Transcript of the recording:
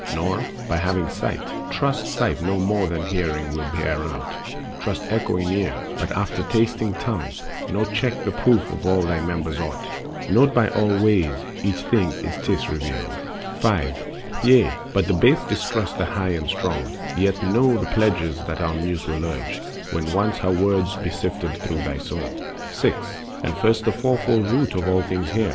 Nor, having sight, Trust sight no more than hearing will bear out, Trust echoing ear but after tasting tongue; Nor check the proof of all thy members aught: Note by all ways each thing as 'tis revealed. 5. Yea, but the base distrust the High and Strong; Yet know the pledges that our Muse will urge, When once her words be sifted through thy soul. The Elements. 6. And first the fourfold root of all things hear!